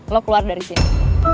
lo keluar dari sini